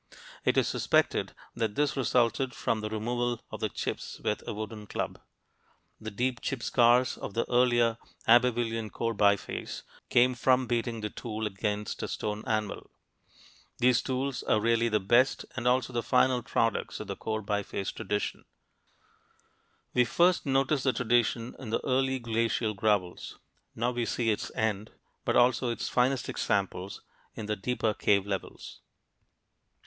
It is suspected that this resulted from the removal of the chips with a wooden club; the deep chip scars of the earlier Abbevillian core biface came from beating the tool against a stone anvil. These tools are really the best and also the final products of the core biface tradition. We first noticed the tradition in the early glacial gravels (p. 43); now we see its end, but also its finest examples, in the deeper cave levels.